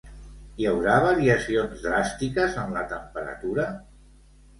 Hi haurà variacions dràstiques en la temperatura?